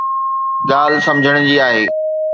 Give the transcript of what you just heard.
ڳالهه سمجھڻ جي آهي.